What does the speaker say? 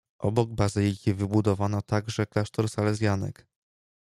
Obok bazyliki wybudowano także klasztor salezjanek.